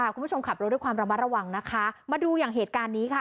คุณผู้ชมขับรถด้วยความระมัดระวังนะคะมาดูอย่างเหตุการณ์นี้ค่ะ